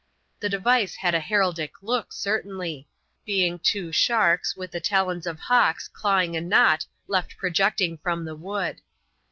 The device had an heraldic look, certainly — being two sharks with the talons of hawks clawing a knot left projecting from the wood.